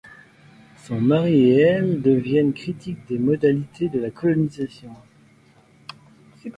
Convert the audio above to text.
Son mari et elle deviennent critiques des modalités de la colonisation.